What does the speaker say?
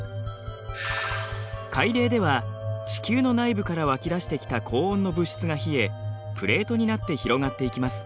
海嶺では地球の内部からわき出してきた高温の物質が冷えプレートになって広がっていきます。